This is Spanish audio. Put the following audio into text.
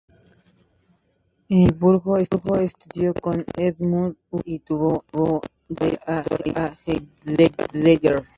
En Friburgo, estudió con Edmund Husserl y tuvo de tutor a Heidegger.